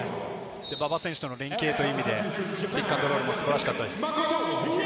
馬場選手の連携という意味でピックアンドロールも素晴らしかったです。